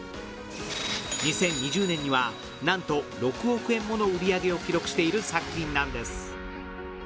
２０２０年にはなんと６億円もの売り上げを記録している作品なんです